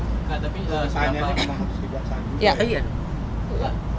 tapi seandainya ini memang harus kejaksaan